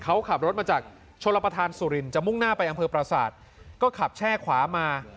เขาขับรถมาจากชลประธานสุรินจะมุ่งหน้าไปอำเภอประสาทก็ขับแช่ขวามา